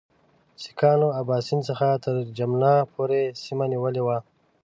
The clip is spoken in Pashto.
سیکهانو اباسین څخه تر جمنا پورې سیمه نیولې وه.